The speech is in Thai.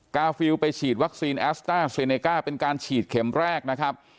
กาฟิลไปฉีดวัคซีนแอสต้าเซเนก้าเป็นการฉีดเข็มแรกนะครับ